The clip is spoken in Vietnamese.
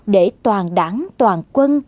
để toàn đảng toàn quân